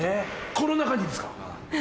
この中にですか？